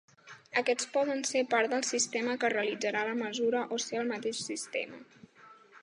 Aquests poden ser part del sistema que realitzarà la mesura o ser el mateix sistema.